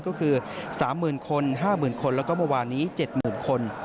ก็คือ๓๐๐๐คน๕๐๐๐คนแล้วก็เมื่อวานนี้๗๐๐คน